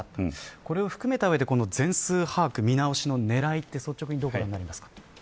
これを含めた上で全数把握の見直しの狙いは率直にどうお考えになりますか。